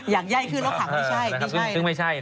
อยากไย้ขึ้นแล้วขังนี่ใช่นี่ใช่